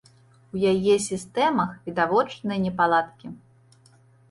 У яе сістэмах відавочныя непаладкі.